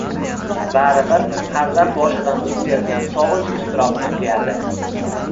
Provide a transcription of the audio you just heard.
Baribir hazrat boshidan oʻtkazgan sogʻinch iztirobini tuyadi